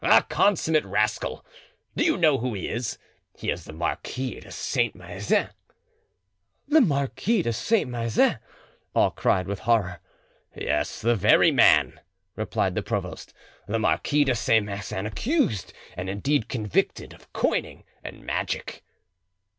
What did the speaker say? "A consummate rascal! Do you know who he is? He is the Marquis de Saint Maixent!" "The Marquis de Saint Maixent!" all cried with horror. "Yes, the very man," replied the provost; "the Marquis de Saint Maixent, accused, and indeed convicted, of coining and magic."